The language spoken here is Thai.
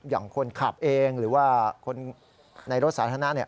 อย่างคนขับเองหรือว่าคนในรถสาธารณะเนี่ย